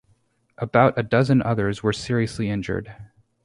About a dozen others were seriously injured.